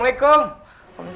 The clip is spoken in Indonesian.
boleh fucking ni